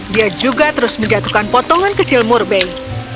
dia juga terus menjatuhkan potongan kecil murbei